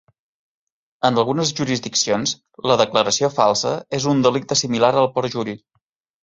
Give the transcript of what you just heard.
En algunes jurisdiccions, la declaració falsa és un delicte similar al perjuri.